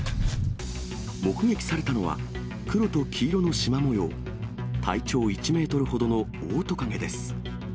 目撃されたのは、黒と黄色のしま模様、体長１メートルほどのオオトカゲです。